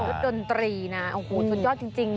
สดดนตรีนะโอ้โหสุดยอดจริง